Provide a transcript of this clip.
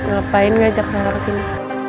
gak kapain gajak malas sini